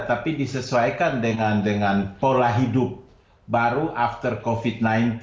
tapi disesuaikan dengan pola hidup baru after covid sembilan belas